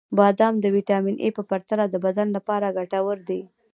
• بادام د ویټامین ای په پرتله د بدن لپاره ګټور دي.